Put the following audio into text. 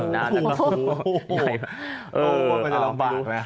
อยากมาเอาบาดไหม